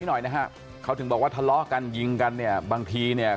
หน่อยนะฮะเขาถึงบอกว่าทะเลาะกันยิงกันเนี่ยบางทีเนี่ย